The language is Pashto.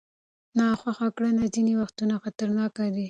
ناخوښه کړنې ځینې وختونه خطرناک دي.